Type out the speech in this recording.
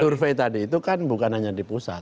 survei tadi itu kan bukan hanya di pusat